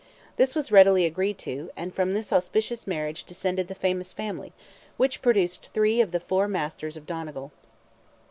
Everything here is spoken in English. This was readily agreed to, and from this auspicious marriage descended the famous family, which produced three of the Four Masters of Donegal.